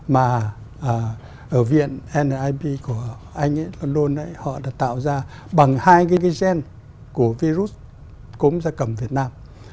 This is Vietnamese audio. mà ở viện nip của anh ấy london ấy họ đã tạo ra bằng hai gigagen của virus cúm gia cầm việt nam